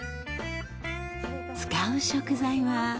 使う食材は。